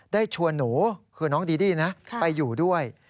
ได้ชวนหนูคือน้องดีดี้นะไปอยู่ด้วย